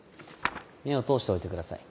目を通しておいてください。